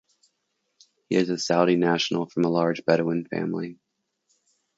He is a Saudi national from a large Bedouin family.